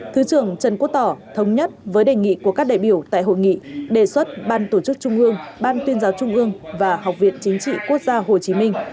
thứ trưởng trần quốc tỏ thống nhất với đề nghị của các đại biểu tại hội nghị đề xuất ban tổ chức trung ương ban tuyên giáo trung ương và học viện chính trị quốc gia hồ chí minh